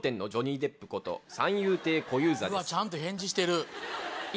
ちゃんと返事してる。